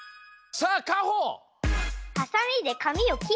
さあかほ！